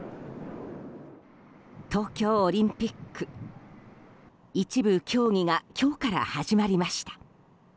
東京オリンピック、一部競技が今日から始まりました。